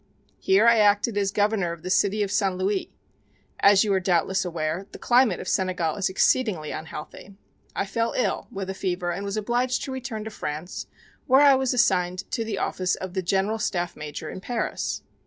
Here I acted as Governor of the City of St. Louis. As you are doubtless aware, the climate of Senegal is exceedingly unhealthy. I fell ill with a fever and was obliged to return to France where I was assigned to the office of the General Staff Major in Paris.